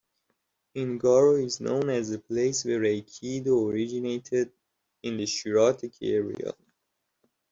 Engaru is known as the place where Aikido originated, in the Shirataki area.